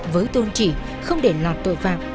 với tôn trị không để lọt tội phạm